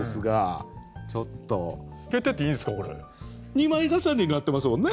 ２枚重ねになってますもんね。